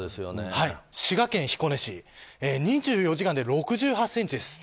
滋賀県彦根市２４時間で６８ｃｍです。